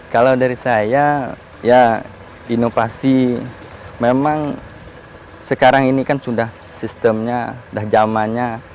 kalau dari saya ya inovasi memang sekarang ini kan sudah sistemnya sudah zamannya